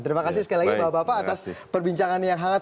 terima kasih sekali lagi bapak bapak atas perbincangan yang hangat